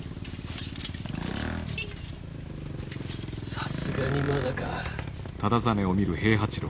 さすがにまだか。